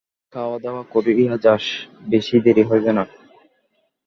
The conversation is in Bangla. খাওয়াদাওয়া করিয়া যাস, বেশি দেরি হইবে না।